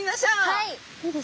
はい！